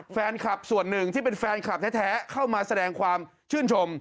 แฟนคลับส่วนหนึ่งที่เป็นแฟนคลับแท้เข้ามาแสดงความชื่นชม